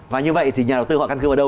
và như vậy thì nhà đầu tư họ căn cư vào đâu